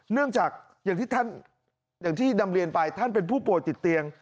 เนื่องจากอย่างที่ท่านอย่างที่นำเรียนไปท่านเป็นผู้ป่วยติดเตียง